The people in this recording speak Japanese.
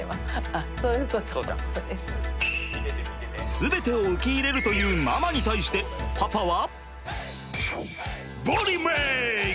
全てを受け入れるというママに対してパパは？